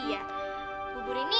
hadir satu pagi